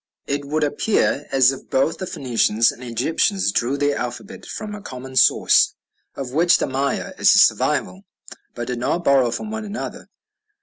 It would appear as if both the Phoenicians and Egyptians drew their alphabet from a common source, of which the Maya is a survival, but did not borrow from one another.